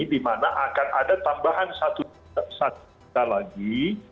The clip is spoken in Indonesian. dimana akan ada tambahan satu juta lagi